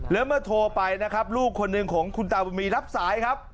แล้วเมื่อโทรไปนะครับลูกคนหนึ่งของคุณตาบุญมีรับสายครับ